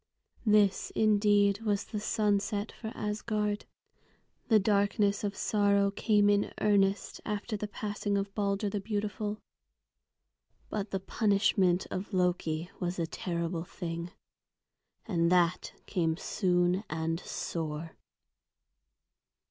This indeed was the sunset for Asgard. The darkness of sorrow came in earnest after the passing of Balder the beautiful. But the punishment of Loki was a terrible thing. And that came soon and sore.